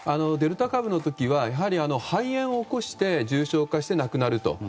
デルタ株の時は肺炎を起こして重症化して亡くなると。